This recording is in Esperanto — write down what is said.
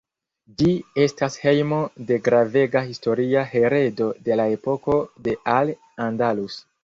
Ĝi estas hejmo de gravega historia heredo de la epoko de Al Andalus.